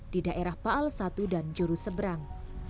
di daerah paal i dan juru seberang